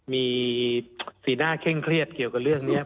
มีสีหน้าเคร่งเครียดเกี่ยวกับเรื่องนี้